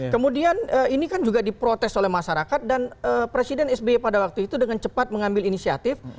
kemudian ini kan juga diprotes oleh masyarakat dan presiden sby pada waktu itu dengan cepat mengambil inisiatif